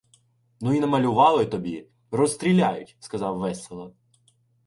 — Ну й намалювали тобі! Розстріляють! — сказав весело.